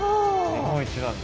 日本一なんだ。